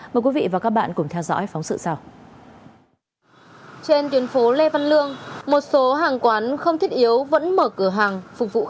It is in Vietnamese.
mời quý vị và các bạn cùng theo dõi phóng sự sau